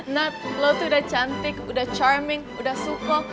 nat lo tuh udah cantik udah charming udah sukong